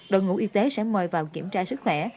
đội ngũ y tế sẽ mời vào kiểm tra sức khỏe